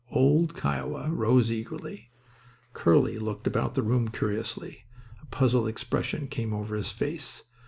Old "Kiowa" rose eagerly. Curly looked about the room curiously. A puzzled expression came over his face.